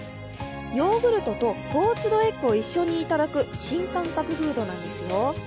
ヨーグルトとポーチドエッグを一緒にいただく新感覚フードなんですよ。